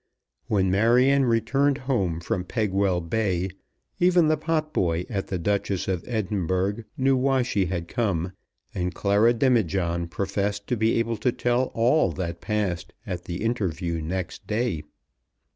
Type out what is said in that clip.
When Marion returned home from Pegwell Bay, even the potboy at The Duchess of Edinburgh knew why she had come, and Clara Demijohn professed to be able to tell all that passed at the interview next day.